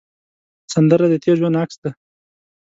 سندره د تېر ژوند عکس دی